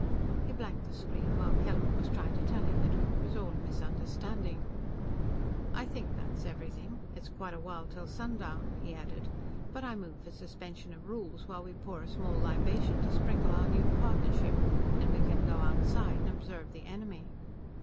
He blanked the screen while Kellogg was trying to tell him that it was all a misunderstanding. "I think that's everything. It's quite a while till sundown," he added, "but I move for suspension of rules while we pour a small libation to sprinkle our new partnership. Then we can go outside and observe the enemy."